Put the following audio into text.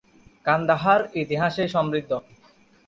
কান্দাহার ইতিহাসে সমৃদ্ধ।